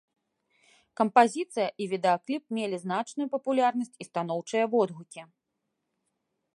Кампазіцыя і відэакліп мелі значную папулярнасць і станоўчыя водгукі.